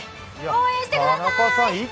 応援してくださーい。